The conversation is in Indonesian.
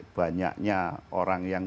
banyaknya orang yang